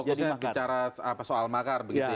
jadi fokusnya bicara soal makar